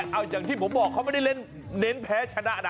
เอาอย่างที่ผมบอกเขาไม่ได้เล่นเน้นแพ้ชนะนะ